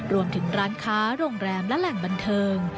รวมถึงร้านค้าโรงแรมและแหล่งบันเทิง